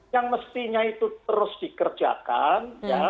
yang mestinya itu terus dikerjakan